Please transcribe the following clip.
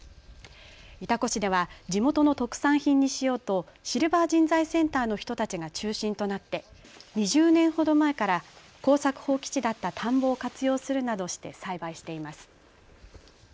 潮来市では地元の特産品にしようとシルバー人材センターの人たちが中心となって２０年ほど前から耕作放棄地だった田んぼを活用するなどして栽培しています。